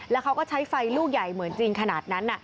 แล้วเขาก็ใช้ไฟลูกใหญ่เหมือนจริงขนาดนั้น